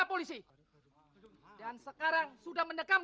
ayah bubar semua ayah bubar